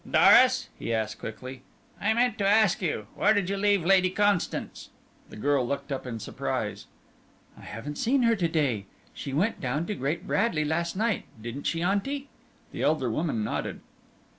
"Doris," he asked quickly, "I meant to ask you where did you leave Lady Constance?" The girl looked up in surprise. "I haven't seen her to day she went down to Great Bradley last night didn't she, auntie?" The elder woman nodded.